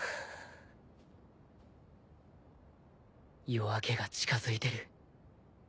夜明けが近づいてる